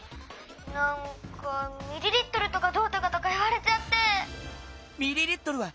なんかミリリットルとかどうとかとかいわれちゃって」。